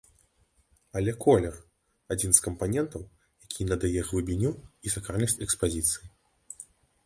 Але колер, адзін з кампанентаў, які надае глыбіню і сакральнасць экспазіцыі.